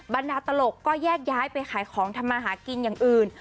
บรรดาตลกก็แยกย้ายไปขายของทำมาหากินอย่างอื่น